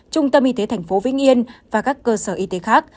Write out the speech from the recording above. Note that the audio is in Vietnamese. trung tâm y tế tp vĩnh yên và các cơ sở y tế khác